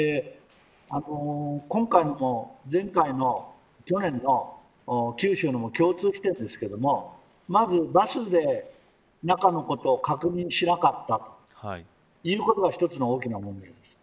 今回も去年の九州のも共通してですけれどまずバスで中を確認しなかったということが一つの大きな問題です。